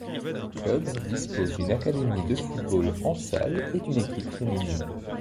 Le club dispose d'une académie de football en salle et d'une équipe féminine.